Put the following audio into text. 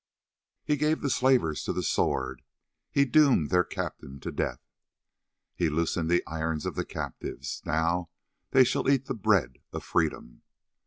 "He gave the slavers to the sword; he doomed their captain to death. "He loosened the irons of the captives. Now they shall eat the bread of freedom.